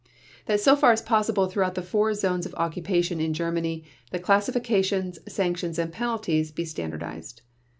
That so far as possible throughout the four zones of occupation in Germany the classifications, sanctions, and penalties be standardized.